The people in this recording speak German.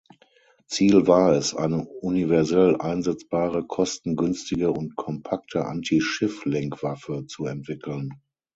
Ziel war es, eine universell einsetzbare, kostengünstige und kompakte Anti-Schiff-Lenkwaffe zu entwickeln.